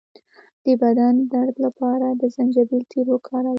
د بدن درد لپاره د زنجبیل تېل وکاروئ